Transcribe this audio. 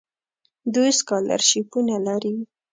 دوی سکالرشیپونه لري.